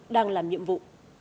đang làm nhiệm vụ